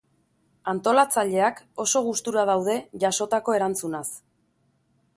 Antolatzaileek oso gustura daude jasotako erantzunaz.